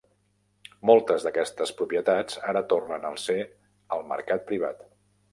Moltes d'aquestes propietats ara tornen a ser al mercat privat.